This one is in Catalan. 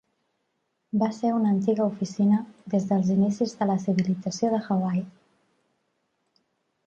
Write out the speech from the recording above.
Va ser una antiga oficina des dels inicis de la civilització de Hawaii.